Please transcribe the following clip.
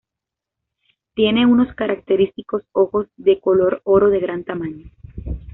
Tiene unos característicos ojos de color oro de gran tamaño.